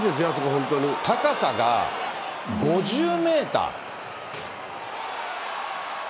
本当高さが５０メーター。